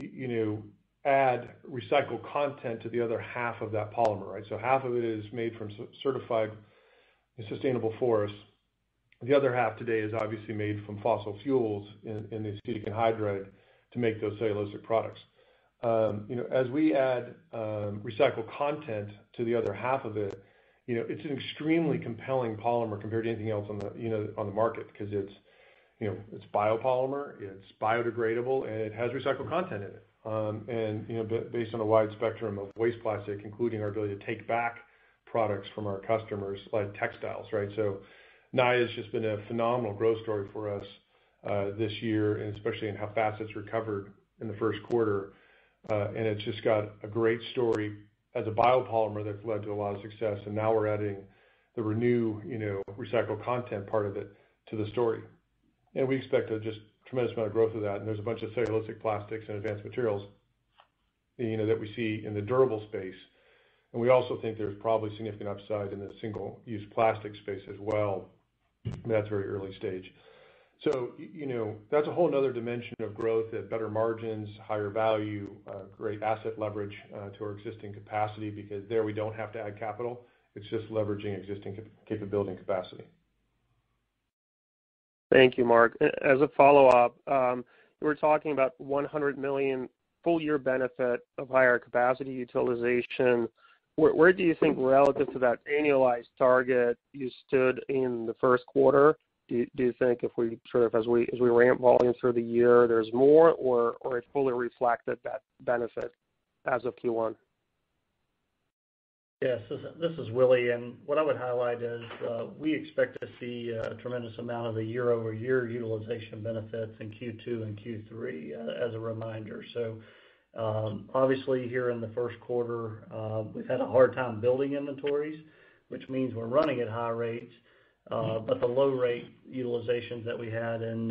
add recycled content to the other half of that polymer, right? Half of it is made from certified sustainable forests. The other half today is obviously made from fossil fuels in the acetic anhydride to make those cellulosic products. As we add recycled content to the other half of it's an extremely compelling polymer compared to anything else on the market because it's biopolymer, it's biodegradable, and it has recycled content in it. Based on a wide spectrum of waste plastic, including our ability to take back products from our customers like textiles, right? Naia has just been a phenomenal growth story for us this year, and especially in how fast it's recovered in the first quarter. It's just got a great story as a biopolymer that's led to a lot of success, and now we're adding the Renew, recycled content part of it to the story. We expect a just tremendous amount of growth of that, and there's a bunch of cellulosic plastics and Advanced Materials that we see in the durable space. We also think there's probably significant upside in the single-use plastic space as well. That's very early stage. That's a whole other dimension of growth at better margins, higher value, great asset leverage to our existing capacity, because there we don't have to add capital. It's just leveraging existing capability and capacity. Thank you, Mark. As a follow-up, you were talking about a $100 million full-year benefit of higher capacity utilization. Where do you think relative to that annualized target you stood in the first quarter? Do you think as we ramp volumes through the year, there's more or it fully reflected that benefit as of Q1? Yes. This is Willie, and what I would highlight is we expect to see a tremendous amount of the year-over-year utilization benefits in Q2 and Q3 as a reminder. Obviously here in the first quarter, we've had a hard time building inventories, which means we're running at high rates. The low rate utilizations that we had in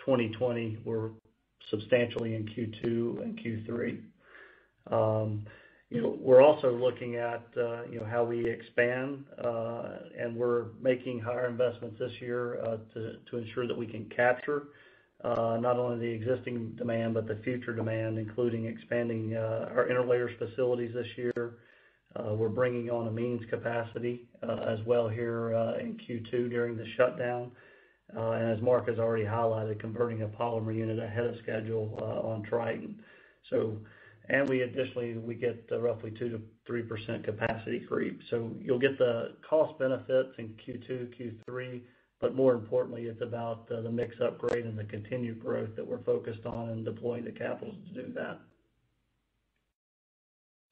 2020 were substantially in Q2 and Q3. We're also looking at how we expand, and we're making higher investments this year to ensure that we can capture not only the existing demand, but the future demand, including expanding our interlayers facilities this year. We're bringing on amines capacity as well here in Q2 during the shutdown. As Mark has already highlighted, converting a polymer unit ahead of schedule on Tritan. We additionally, we get the roughly 2%-3% capacity creep. You'll get the cost benefits in Q2, Q3, but more importantly, it's about the mix upgrade and the continued growth that we're focused on and deploying the capital to do that.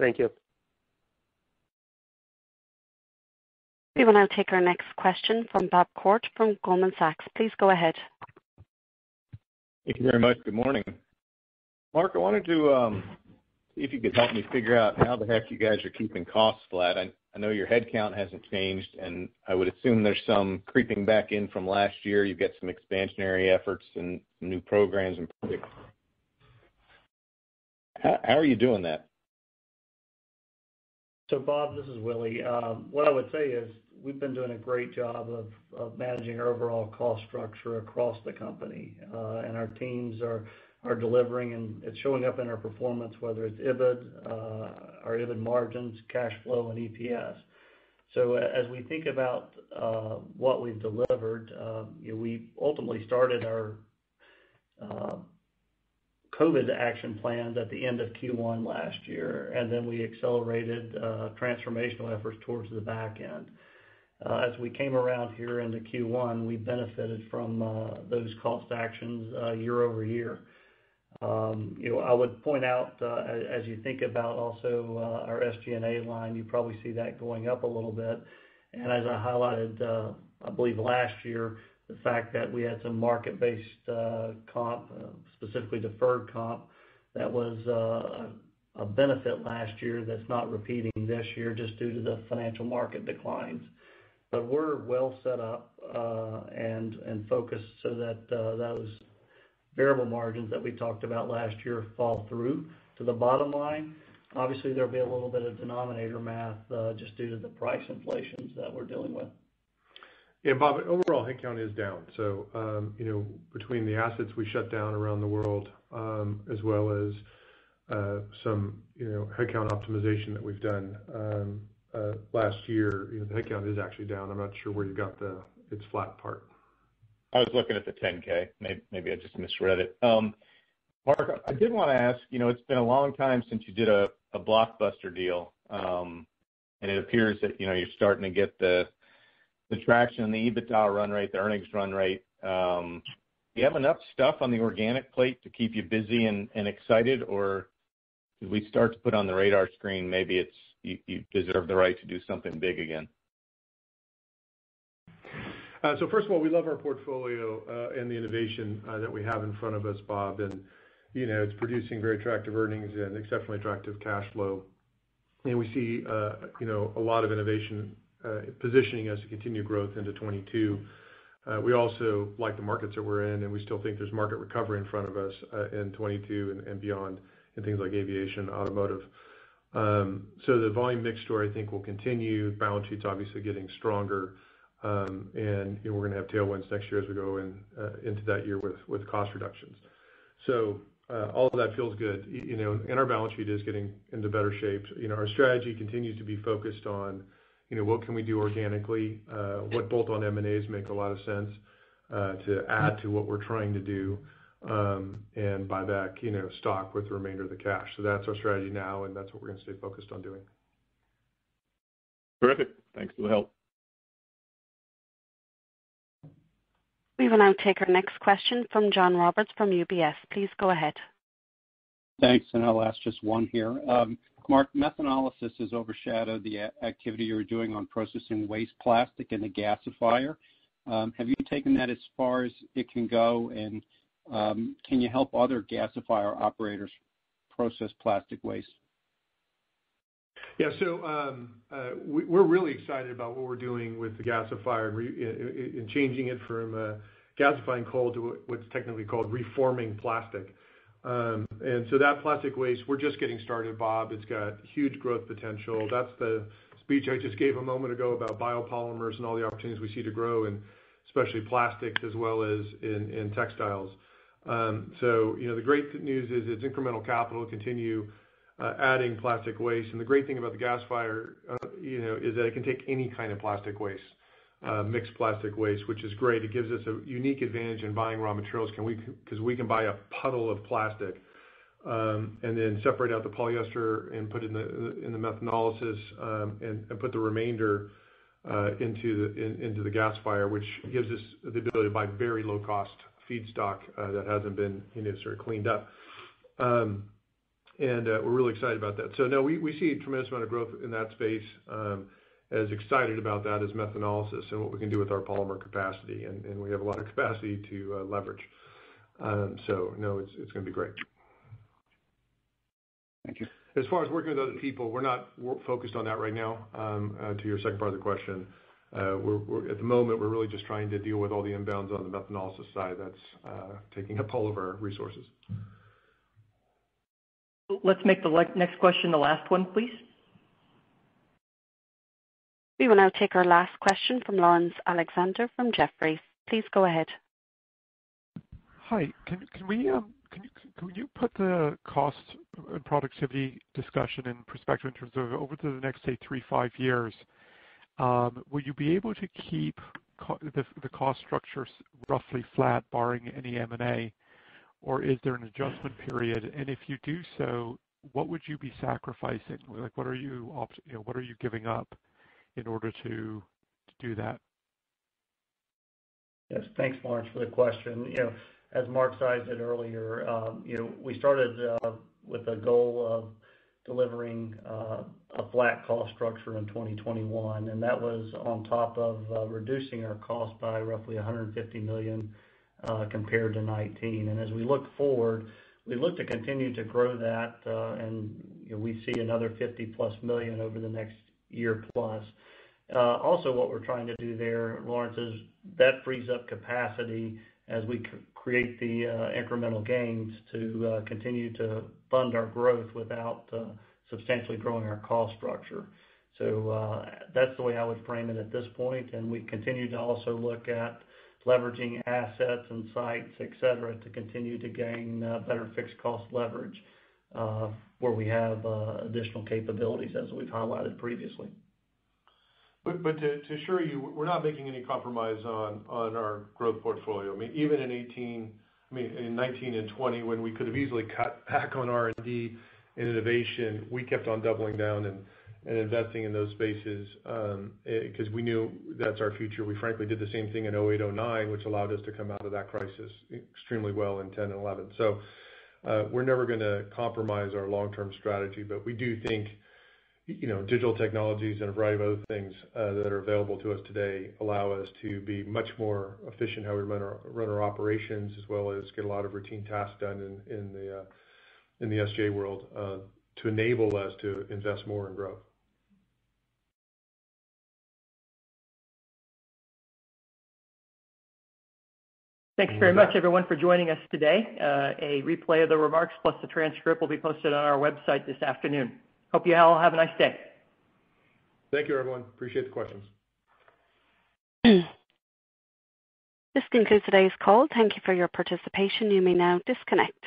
Thank you. We will now take our next question from Bob Koort from Goldman Sachs. Please go ahead. Thank you very much. Good morning. Mark, I wanted to see if you could help me figure out how the heck you guys are keeping costs flat. I know your headcount hasn't changed, and I would assume there's some creeping back in from last year. You've got some expansionary efforts and new programs in place. How are you doing that? Bob, this is Willie. What I would say is we've been doing a great job of managing our overall cost structure across the company. Our teams are delivering, and it's showing up in our performance, whether it's EBIT, our EBIT margins, cash flow, and EPS. As we think about what we've delivered, we ultimately started our COVID action plans at the end of Q1 last year, and then we accelerated transformational efforts towards the back end. As we came around here into Q1, we benefited from those cost actions year-over-year. I would point out as you think about also our SG&A line, you probably see that going up a little bit. As I highlighted, I believe last year, the fact that we had some market-based comp, specifically deferred comp, that was a benefit last year that is not repeating this year just due to the financial market declines. We are well set up and focused so that those variable margins that we talked about last year fall through to the bottom line. Obviously, there will be a little bit of denominator math just due to the price inflations that we are dealing with. Yeah, Bob, overall headcount is down. Between the assets we shut down around the world as well as some headcount optimization that we've done last year, the headcount is actually down. I'm not sure where you got the it's flat part. I was looking at the 10-K. Maybe I just misread it. Mark, I did want to ask, it's been a long time since you did a blockbuster deal. It appears that you're starting to get the traction, the EBITDA run-rate, the earnings run-rate. Do you have enough stuff on the organic plate to keep you busy and excited? Do we start to put on the radar screen maybe you deserve the right to do something big again? First of all, we love our portfolio, and the innovation that we have in front of us, Bob. It's producing very attractive earnings and exceptionally attractive cash flow. We see a lot of innovation positioning us to continue growth into 2022. We also like the markets that we're in, and we still think there's market recovery in front of us in 2022 and beyond in things like aviation, automotive. The volume mix story, I think, will continue. Balance sheet's obviously getting stronger. We're going to have tailwinds next year as we go into that year with cost reductions. All of that feels good. Our balance sheet is getting into better shape. Our strategy continues to be focused on what can we do organically, what bolt-on M&As make a lot of sense to add to what we're trying to do, and buy back stock with the remainder of the cash. That's our strategy now, and that's what we're going to stay focused on doing. Terrific. Thanks for the help. We will now take our next question from John Roberts from UBS. Please go ahead. Thanks, and I'll ask just one here. Mark, methanolysis has overshadowed the activity you're doing on processing waste plastic in the gasifier. Have you taken that as far as it can go, and can you help other gasifier operators process plastic waste? Yeah. We're really excited about what we're doing with the gasifier and changing it from gasifying coal to what's technically called reforming plastic. That plastic waste, we're just getting started, Bob. It's got huge growth potential. That's the speech I just gave a moment ago about biopolymers and all the opportunities we see to grow in, Specialty Plastics, as well as in textiles. The great news is it's incremental capital to continue adding plastic waste. The great thing about the gasifier is that it can take any kind of plastic waste, mixed plastic waste, which is great. It gives us a unique advantage in buying raw materials because we can buy a puddle of plastic, and then separate out the polyester and put it in the methanolysis, and put the remainder into the gasifier, which gives us the ability to buy very low-cost feedstock that hasn't been in any sort of cleaned up. We're really excited about that. No, we see a tremendous amount of growth in that space. We are as excited about that as methanolysis and what we can do with our polymer capacity, and we have a lot of capacity to leverage. No, it's going to be great. Thank you. As far as working with other people, we're not focused on that right now, to your second part of the question. At the moment, we're really just trying to deal with all the inbounds on the methanolysis side that's taking up all of our resources. Let's make the next question the last one, please. We will now take our last question from Laurence Alexander from Jefferies. Please go ahead. Hi. Could you put the cost and productivity discussion in perspective in terms of over to the next, say, three to five years? Will you be able to keep the cost structures roughly flat barring any M&A, or is there an adjustment period? If you do so, what would you be sacrificing? What are you giving up in order to do that? Yes. Thanks, Laurence, for the question. As Mark sized it earlier, we started with a goal of delivering a flat cost structure in 2021. That was on top of reducing our cost by roughly $150 million compared to 2019. As we look forward, we look to continue to grow that, and we see another $50+ million over the next year-plus. Also what we're trying to do there, Laurence, is that frees up capacity as we create the incremental gains to continue to fund our growth without substantially growing our cost structure. That's the way I would frame it at this point, and we continue to also look at leveraging assets and sites, et cetera, to continue to gain better fixed cost leverage where we have additional capabilities as we've highlighted previously. To assure you, we're not making any compromise on our growth portfolio. Even in 2019 and 2020 when we could've easily cut back on R&D and innovation, we kept on doubling down and investing in those spaces, because we knew that's our future. We frankly did the same thing in 2008, 2009, which allowed us to come out of that crisis extremely well in 2010 and 2011. We're never going to compromise our long-term strategy, but we do think digital technologies and a variety of other things that are available to us today allow us to be much more efficient how we run our operations as well as get a lot of routine tasks done in the SG&A world to enable us to invest more in growth. Thanks very much, everyone, for joining us today. A replay of the remarks plus the transcript will be posted on our website this afternoon. Hope you all have a nice day. Thank you, everyone. Appreciate the questions. This concludes today's call. Thank you for your participation. You may now disconnect.